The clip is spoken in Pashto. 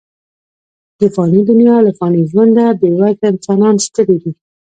د فاني دنیا له فاني ژونده، بې وزله انسانان ستړي دي.